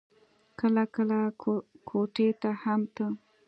کله کله کوټې ته هم ته.